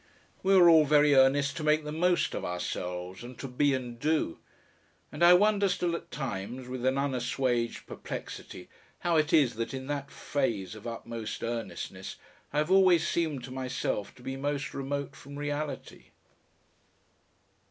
We were all very earnest to make the most of ourselves and to be and do, and I wonder still at times, with an unassuaged perplexity, how it is that in that phase of utmost earnestness I have always seemed to myself to be most remote from reality.